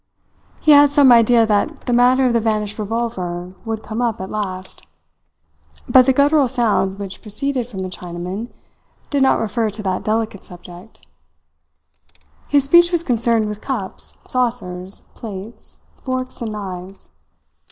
He had some idea that the matter of the vanished revolver would come up at last; but the guttural sounds which proceeded from the Chinaman did not refer to that delicate subject. His speech was concerned with cups, saucers, plates, forks, and knives.